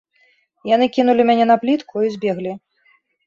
Яны кінулі мяне на плітку і збеглі.